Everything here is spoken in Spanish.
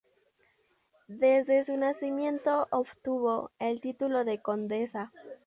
Desde su nacimiento obtuvo el título de condesa.